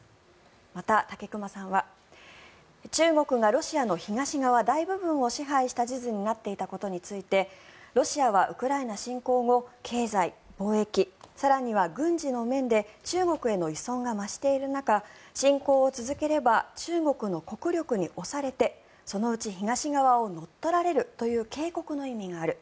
また、武隈さんは中国がロシアの東側の大部分を支配した地図になっていたことについてロシアはウクライナ侵攻後経済・貿易、更には軍事の面で中国への依存が増している中侵攻を続ければ中国の国力に押されてそのうち東側を乗っ取られるという警告の意味がある。